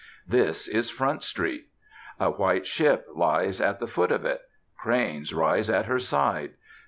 This is Front Street. A white ship lies at the foot of it. Cranes rise at her side.